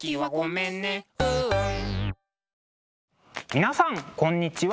皆さんこんにちは。